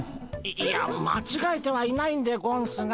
いやまちがえてはいないんでゴンスが。